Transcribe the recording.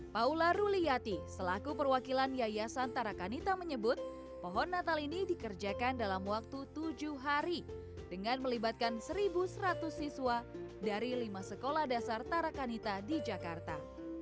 paula ruliyati selaku perwakilan yayasan tarakanita menyebut pohon natal ini dikerjakan dalam waktu tujuh hari dengan melibatkan satu seratus siswa dari lima sekolah dasar tarakanita di jakarta